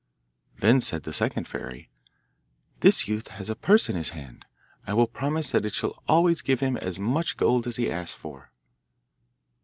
Then said the second fairy: 'This youth has a purse in his hand. I will promise that it shall always give him as much gold as he asks for.